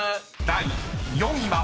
［第４位は］